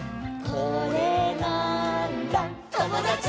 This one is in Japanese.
「これなーんだ『ともだち！』」